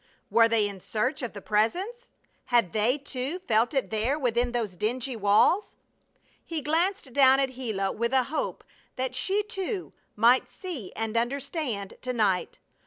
Were they in search of the Presence? Had they, too, felt it there within those dingy walls? He glanced down at Gila with a hope that she, too, might see and understand to night.